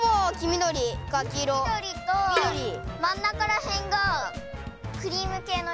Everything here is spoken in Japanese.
みどりとまん中らへんがクリームけいの色。